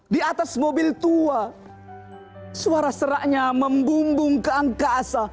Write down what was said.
di atas mobil tua suara seraknya membumbung ke angkasa